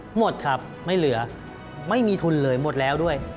หมดครับไม่เหลือไม่มีทุนเลยหมดแล้วด้วย